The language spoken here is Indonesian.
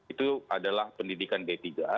itu adalah pendidikan d tiga